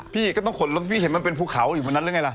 พี่ก็ต้องขนรถพี่เห็นมันเป็นภูเขาอยู่บนนั้นหรือไงล่ะ